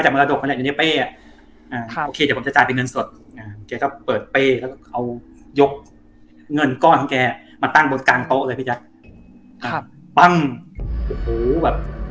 จังหวะจะจ่ายเงินตัวเขี่ยว